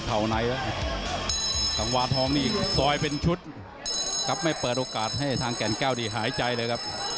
ถือว่าตีโต้ตลาดเม็ดมีเสียงเชียร์